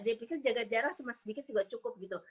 dia pikir jaga jarak cuma sedikit juga cukup gitu